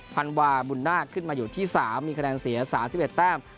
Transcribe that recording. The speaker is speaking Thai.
พันวาบุญนาคขึ้นมาอยู่ที่๓มีคะแนนเสีย๓๑แต้ม